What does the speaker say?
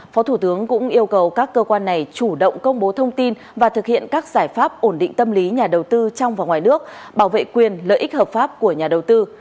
phó thủ tướng cũng yêu cầu các cơ quan này chủ động công bố thông tin và thực hiện các giải pháp ổn định tâm lý nhà đầu tư trong và ngoài nước bảo vệ quyền lợi ích hợp pháp của nhà đầu tư